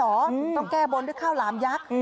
ต้องแก้บนด้วยข้าวหลามยักษ์